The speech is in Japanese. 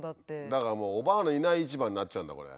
だからもうおばあのいない市場になっちゃうんだこれ。